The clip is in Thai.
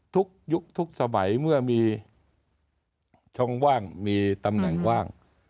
ยุคทุกสมัยเมื่อมีช่องว่างมีตำแหน่งว่าง